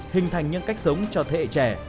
hình thành những cách sống cho thế hệ trẻ